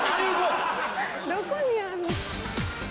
どこにあんの？